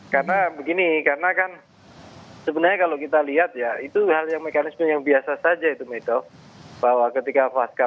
karena begini sebenarnya que kalau kita lihat itu mekanisme tanya biasa saja itu metaf bahwa ketika fasca pemilu maka pihak pihak yang kemudian itu bekerja sama kawasan